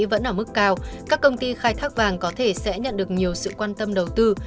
vẫn ở mức cao các công ty khai thác vàng có thể sẽ nhận được nhiều sự quan tâm đầu tư